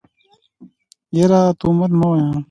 يره تومت مه وايه.